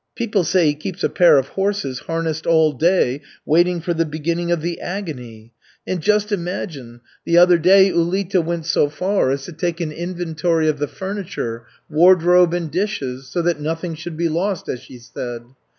People say he keeps a pair of horses harnessed all day waiting for the beginning of the agony. And just imagine, the other day Ulita went so far as to take an inventory of the furniture, wardrobe, and dishes, so that nothing should be lost, as she said.